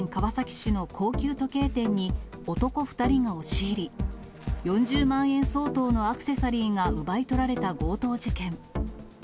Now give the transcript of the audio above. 先月、神奈川県川崎市の高級時計店に、男２人が押し入り、４０万円相当のアクセサリーが奪い取られた強盗事件。